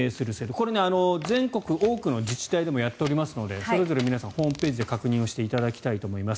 これ、全国多くの自治体でもやっておりますのでそれぞれ皆さんホームページで確認をしていただきたいと思います。